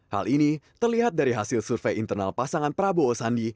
hal ini terlihat dari hasil survei internal pasangan prabowo sandi